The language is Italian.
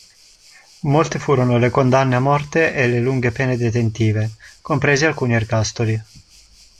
Molte furono le condanne a morte e le lunghe pene detentive, compresi alcuni ergastoli.